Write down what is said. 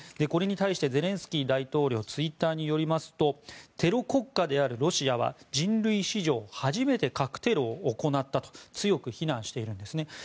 これに対してゼレンスキー大統領のツイッターによりますとテロ国家であるロシアは人類史上初めて核テロを行ったと強く非難しているんですね。